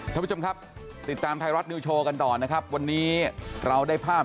ท่านผู้ชมครับติดตามไทยรัฐนิวโชว์กันต่อนะครับวันนี้เราได้ภาพ